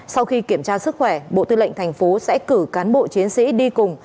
sau khi kiểm tra sức khỏe bộ tư lệnh thành phố sẽ cử cán bộ chiến sĩ đi cùng